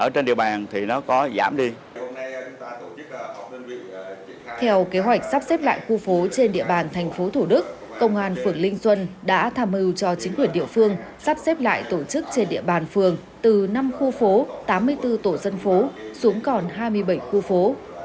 trên địa bàn thành phố thổ đức công an phượng linh xuân đã tham mưu cho chính quyền địa phương sắp xếp lại tổ chức trên địa bàn phường từ năm khu phố tám mươi bốn tổ dân phố xuống còn hai mươi bảy khu phố